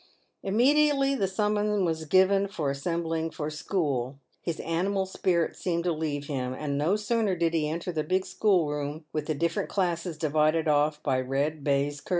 Immediately the summons was given for assembling for school, his animal spirits seemed to leave him ; and no sooner did he enter the big schoolroom, with the different classes divided off by red baize cur PAVED WITH GOLD.